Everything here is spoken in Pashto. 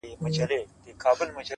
څه غزل غزل راګورې څه ټپه ټپه ږغېږې,